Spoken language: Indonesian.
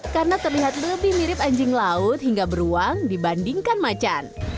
karena terlihat lebih mirip anjing laut hingga beruang dibandingkan macan